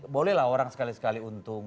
bolehlah orang sekali sekali untung